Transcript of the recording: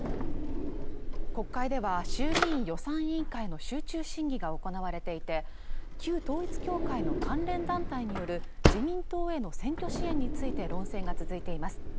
国会では衆議院予算委員会の集中審議が行われていて旧統一教会の関連団体による自民党への選挙支援について論戦が続いています